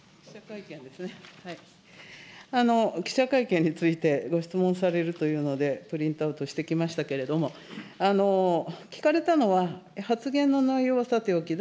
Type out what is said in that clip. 記者会見についてご質問されるというので、プリントアウトしてきましたけれども、聞かれたのは、発言の内容はさておき、